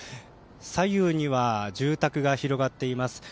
左右には住宅が広がっています。